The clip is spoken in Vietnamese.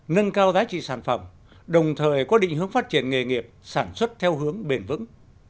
nâng cao giá trị sản phẩm đồng thời có định hướng phát triển nghề nghiệp sản xuất theo hướng bền vững